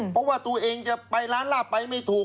เพราะว่าตัวเองจะไปร้านลาบไปไม่ถูก